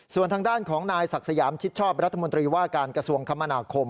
ส่วนทางด้านของนายศักดิ์สยามชิดชอบรัฐมนตรีว่าการกระทรวงคมนาคม